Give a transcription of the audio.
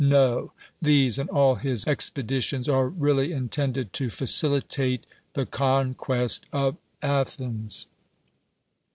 Xo: these and all his expeditions are really intended to facilitate the couquest of Athens.